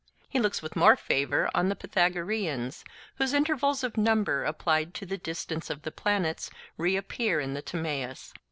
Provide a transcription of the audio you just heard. He looks with more favour on the Pythagoreans, whose intervals of number applied to the distances of the planets reappear in the Timaeus.